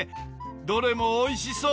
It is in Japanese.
どれも美味しそう。